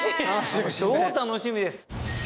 超楽しみです。